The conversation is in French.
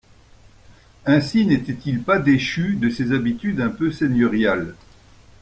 Ainsi n'était-il pas déchu de ses habitudes un peu seigneuriales.